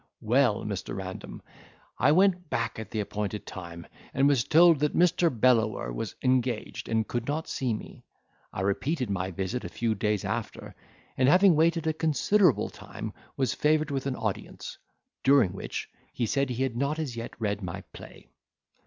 "Well, Mr. Random, I went back at the appointed time, and was told that Mr. Bellower was engaged, and could not see me, I repeated my visit a few days after, and having waited a considerable time was favoured with an audience, during which, he said, he had not as yet read my play.